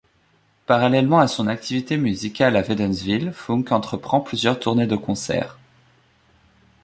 Parallèlement à son activité musicale à Wädenswil, Funk entreprend plusieurs tournées de concerts.